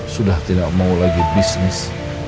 sudah tidak mau lagi bisnis